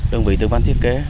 đơn vị tư vấn thiết kế